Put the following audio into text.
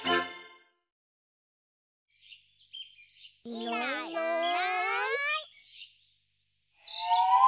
いないいない。